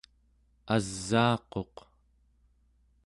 asaaquq